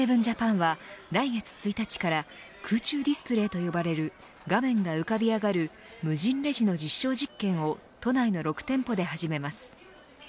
ジャパンは来月１日から空中ディスプレーと呼ばれる画面が浮かび上がる無人レジの実証実験を都内の６店舗で始めます。